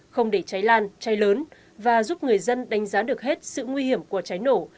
không để cháy lan cháy lớn và giúp người dân đánh giá được hết sự nguy hiểm của cháy nổ